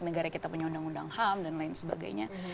negara kita punya undang undang ham dan lain sebagainya